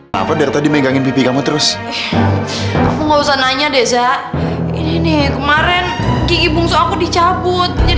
sampai jumpa di video selanjutnya